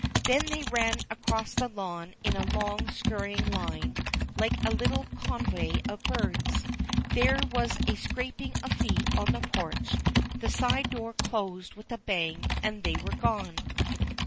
Then they ran across the lawn in a long skurrying line like a covey of birds, there was a scraping of feet on the porch, tlie side door closed with a hang, and they were gone.